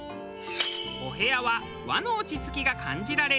お部屋は和の落ち着きが感じられる